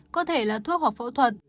có thể là thuốc hoặc phẫu thuật